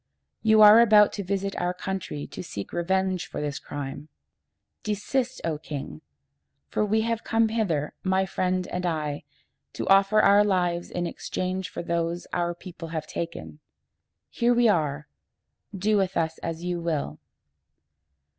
You are about to visit our country to seek revenge for this crime. Desist, O king! for we have come hither, my friend and I, to offer our lives in exchange for those our people have taken. Here we are! Do with us as you will."